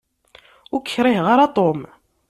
Ur k-kriheɣ ara a Tom.